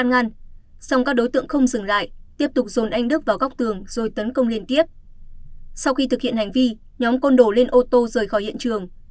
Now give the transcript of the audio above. sau đó các đối tượng không dừng lại tiếp tục dồn anh đức vào góc tường rồi tấn công liên tiếp sau khi thực hiện hành vi nhóm côn đổ lên ô tô rời khỏi hiện trường